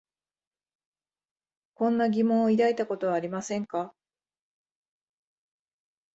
こんな疑問を抱いたことはありませんか？